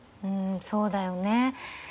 うんそうだよね。